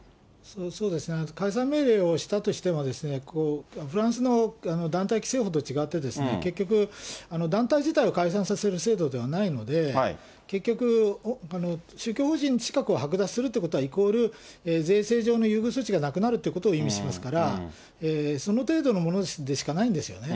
そうですね、解散命令をしたとしても、フランスの団体規制法と違って、結局、団体自体を解散させる制度ではないので、結局、宗教法人資格をはく奪するってことは、イコール、税制上の優遇措置がなくなるということを意味しますから、その程度のものでしかないんですよね。